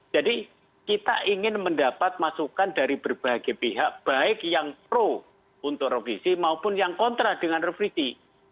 jadi kita ingin mendapat masukan dari berbagai pihak baik yang pro untuk revisi maupun yang kontra dengan revisi